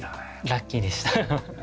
ラッキーでした。